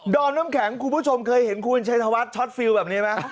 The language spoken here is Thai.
อมน้ำแข็งคุณผู้ชมเคยเห็นคุณชัยธวัฒนช็อตฟิลแบบนี้ไหม